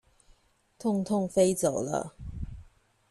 痛痛飛走了